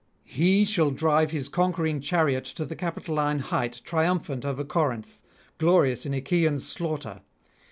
... He shall drive his conquering chariot to the Capitoline height triumphant over Corinth, glorious in Achaean slaughter.